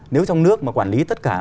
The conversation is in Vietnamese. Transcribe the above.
nếu trong nước mà quản lý tất cả